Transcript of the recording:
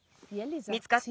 見つかった？